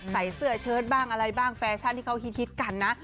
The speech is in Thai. ใส่เสื้อเชิดบ้างอะไรบ้างแฟชั่นที่เขาฮิตกันนะ